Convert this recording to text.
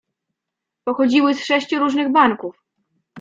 "Pochodziły z sześciu różnych banków."